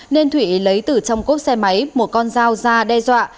nên thụy lấy từ trong cốp xe máy một con dao ra đe dọa